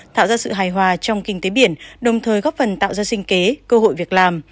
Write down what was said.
tạo ra sự hài hòa trong kinh tế biển đồng thời góp phần tạo ra sinh kế cơ hội việc làm